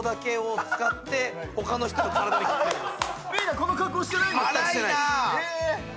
この格好してないんですか？